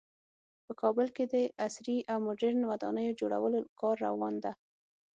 په کابل کې د عصري او مدرن ودانیو جوړولو کار روان ده